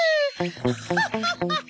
ハハハハ！